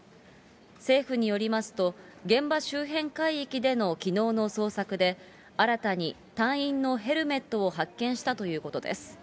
政府によりますと、現場周辺海域でのきのうの捜索で、新たに隊員のヘルメットを発見したということです。